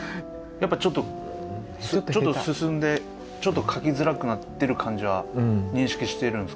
やっぱちょっと進んでちょっと描きづらくなってる感じは認識しているんですか？